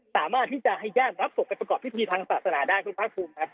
สามารถที่จะให้ญาติรับศพกับประกอบที่มีทางศาสนาได้ครับคุณพระอภูมิครับ